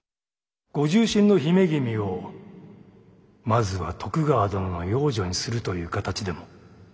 ご重臣の姫君をまずは徳川殿の養女にするという形でも構いませぬが。